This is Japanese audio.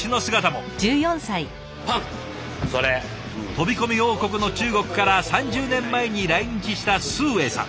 飛び込み王国の中国から３０年前に来日した崇英さん。